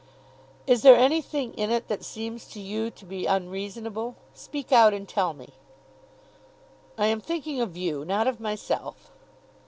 "Is there anything in it that seems to you to be unreasonable? Speak out and tell me." "I am thinking of you, not of myself."